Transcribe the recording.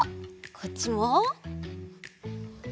こっちも。